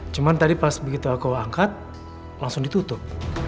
cuma tadi pas begitu aku angkat langsung ditutup